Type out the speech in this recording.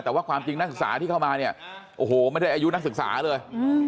แต่ว่าความจริงนักศึกษาที่เข้ามาเนี่ยโอ้โหไม่ได้อายุนักศึกษาเลย